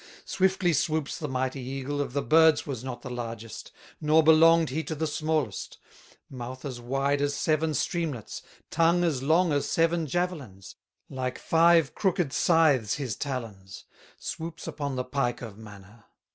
Swiftly swoops the mighty eagle, Of the birds was not the largest, Nor belonged he to the smallest; Beak a hundred fathoms measured, Mouth as wide as seven streamlets, Tongue as long as seven javelins, Like five crooked scythes his talons; Swoops upon the pike of Mana.